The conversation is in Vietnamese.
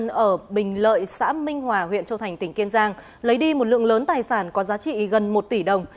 đối tượng đã đột nhập vào nhà của người dân ở bình lợi xã minh hòa huyện châu thành tỉnh kiên giang lấy đi một lượng lớn tài sản có giá trị gần một tỷ đồng